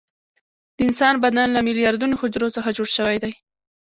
د انسان بدن له میلیارډونو حجرو څخه جوړ شوی دی